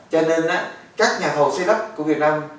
cho nên các nhà thầu xây lắp của việt nam